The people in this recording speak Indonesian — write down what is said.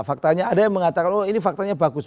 ada yang mengatakan ini faktanya bagus